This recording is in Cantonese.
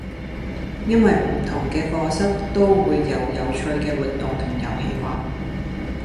因為唔同嘅課室都會有有趣嘅活動同遊戲玩